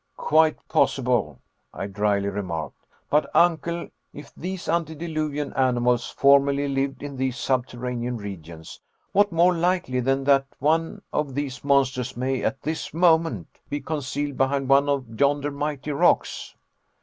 "Quite possible," I dryly remarked. "But, Uncle, if these antediluvian animals formerly lived in these subterranean regions, what more likely than that one of these monsters may at this moment be concealed behind one of yonder mighty rocks."